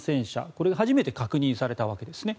これが初めて確認されたわけですね。